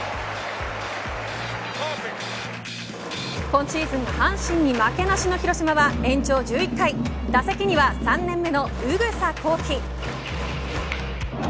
今シーズン、阪神に負けなしの広島は延長１１回打席には３年目の宇草孔基。